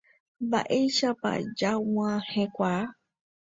Mba'éichapa ñag̃uahẽkuaa.